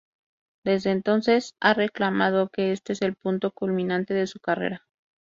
Desde entonces, ha reclamado que este es el punto culminante de su carrera.